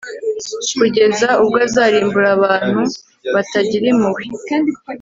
kugeza ubwo azarimbura abantu batagira impuhwe